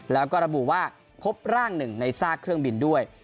แล้วก็ระบุว่าพบร่างหนึ่งในซากเครื่องบินด้วย